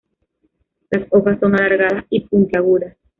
Las hojas son alargadas y puntiagudas.